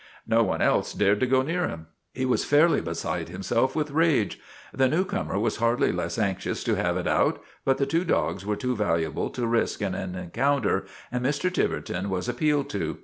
No one else dared to go near him. He was fairly beside himself with rage. The newcomer was hardly less anxious to have it out, but the two dogs were too valuable to risk in an encounter and Mr. Tiverton was appealed to.